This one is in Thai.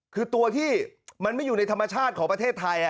คือตัวที่มันไม่อยู่ในธรรมชาติของประเทศไทย